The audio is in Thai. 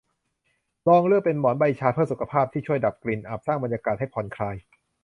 ลองเลือกเป็นหมอนใบชาเพื่อสุขภาพ ที่ช่วยดับกลิ่นอับ สร้างบรรยากาศให้ผ่อนคลาย